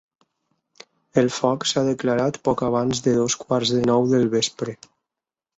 El foc s’ha declarat poc abans de dos quarts de nou del vespre.